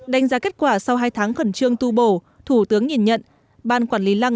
đánh giá kết quả sau hai tháng khẩn trương tu bổ thủ tướng nhìn nhận ban quản lý lăng